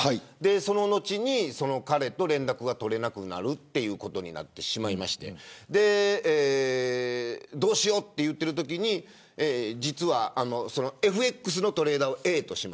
その後に、彼と連絡が取れなくなるということになりどうしようと言っているときにＦＸのトレーダーをＡとします。